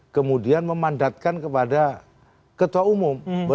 kemudian memandatkan kepada ketua umum